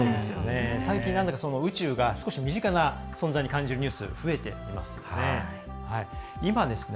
最近、宇宙が少し身近な存在に感じるニュースが増えていますよね。